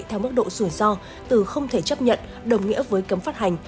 theo mức độ rủi ro từ không thể chấp nhận đồng nghĩa với cấm phát hành